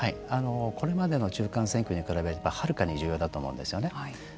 これまでの中間選挙に比べるとはるかに重要だと思うんですよね。